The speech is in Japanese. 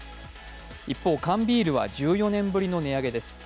一方、缶ビールは１４年ぶりの値上げです。